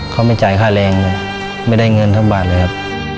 เขาไม่จ่ายค่าแรงเลยไม่ได้เงินทั้งบาทเลยครับ